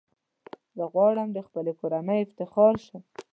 زه غواړم د خپلي کورنۍ افتخار شم .